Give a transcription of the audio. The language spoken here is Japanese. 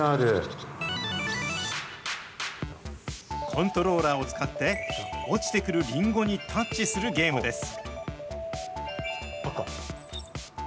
コントローラーを使って、落ちてくるリンゴにタッチするゲームです。